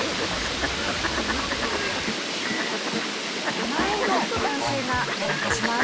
手前の男性がやらかします。